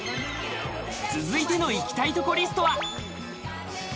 続いての行きたいとこリストは？